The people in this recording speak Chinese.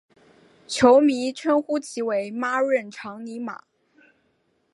球迷称呼其为孖润肠尼马。